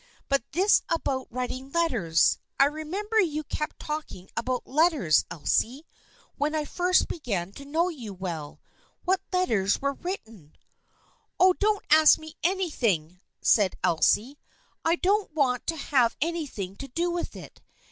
But this about writing letters. I remember you kept talking about letters, Elsie, when I first began to know you well. What letters were written ?" THE FRIENDSHIP OF ANNE 247 44 Oh, don't ask me anything !" said Elsie. " I don't want to have anything to do with it.